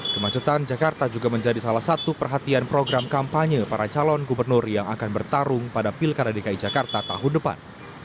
kemacetan jakarta juga menjadi salah satu perhatian program kampanye para calon gubernur yang akan bertarung pada pilkada dki jakarta tahun depan